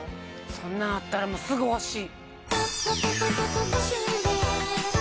そんなんあったらすぐ欲しい。